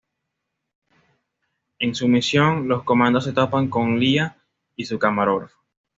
En su misión, los comandos se topan con Lia y su camarógrafo.